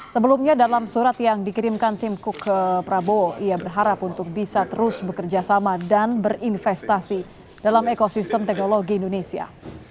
sebelumnya dalam surat yang dikirimkan timku ke prabowo ia berharap untuk bisa terus bekerja sama dan berinvestasi dalam ekosistem teknologi indonesia